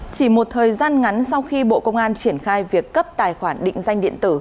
chỉ một thời gian ngắn sau khi bộ công an triển khai việc cấp tài khoản định danh điện tử